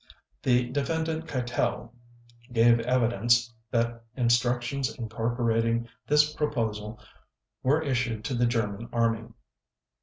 The Defendant Keitel gave evidence that instructions incorporating this proposal were issued to the German Army.